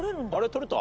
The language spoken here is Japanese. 取れた？